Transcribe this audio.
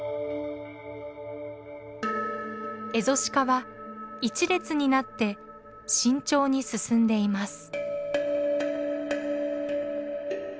エゾシカは１列になって慎重に進んでいます。